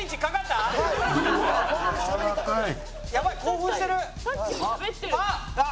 「やばい興奮してる。あっ！」